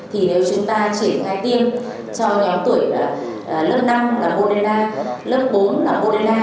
thì nếu chúng ta triển khai tiêm cho nhóm tuổi lớp năm là moderna lớp bốn là moderna